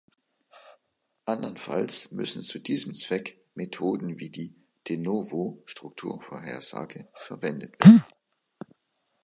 Andernfalls müssen zu diesem Zweck Methoden wie die "de novo"-Strukturvorhersage verwendet werden.